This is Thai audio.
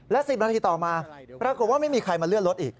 และ๑๐นาทีต่อมาปรากฏว่าไม่มีใครมาเลื่อนรถอีก